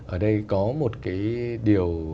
ở đây có một cái điều